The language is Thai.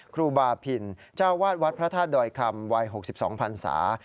ครูบาพินเจ้าวาดวัดพระธาตุดอยคำวัย๖๒พันศา